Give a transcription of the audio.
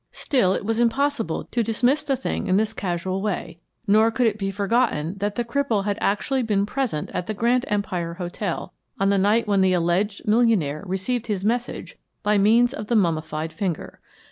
Still, it was impossible to dismiss the thing in this casual way, nor could it be forgotten that the cripple had actually been present at the Grand Empire Hotel on the night when the alleged millionaire received his message by means of the mummified finger.